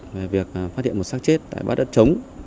về việc phát hiện một sát chết tại bát đất trống